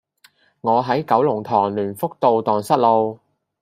我喺九龍塘聯福道盪失路